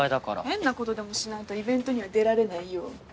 変なことでもしないとイベントには出られないよ。